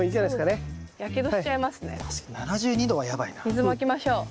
水まきましょう。